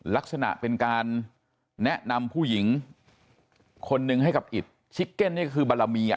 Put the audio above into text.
ลักษณะเป็นการแนะนำผู้หญิงคนหนึ่งให้กับอิตชิกเก็นนี่คือบารมีอ่ะ